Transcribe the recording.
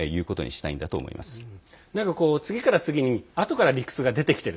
なんかこう、次から次にあとから理屈が出てきている。